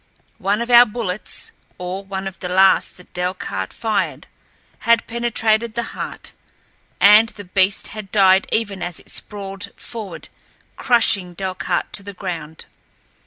One of our bullets, or one of the last that Delcarte fired, had penetrated the heart, and the beast had died even as it sprawled forward crushing Delcarte to the ground.